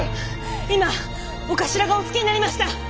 今長官がお着きになりました！